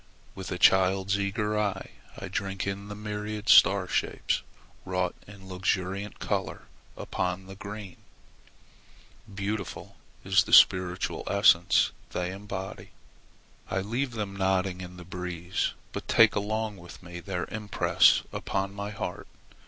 With a child's eager eye I drink in the myriad star shapes wrought in luxuriant color upon the green. Beautiful is the spiritual essence they embody. I leave them nodding in the breeze, but take along with me their impress upon my heart.